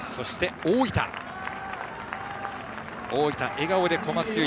大分、笑顔で小松優衣。